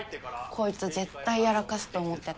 こいつ絶対やらかすと思ってた。